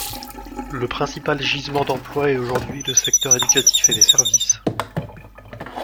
Le principal gisement d'emploi est aujourd'hui le secteur éducatif et les services.